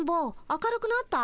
明るくなった？